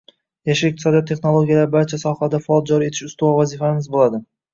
“yashil iqtisodiyot” texnologiyalari barcha sohalarga faol joriy etish ustuvor vazifamiz bo‘ladi.